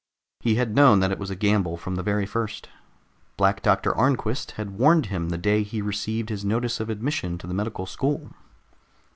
He had known that it was a gamble from the very first. Black Doctor Arnquist had warned him the day he received his notice of admission to the medical school.